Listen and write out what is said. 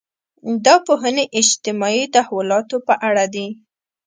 دا پوهنې اجتماعي تحولاتو په اړه دي.